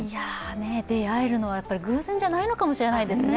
出会えるのは偶然じゃないのかもしれないですね。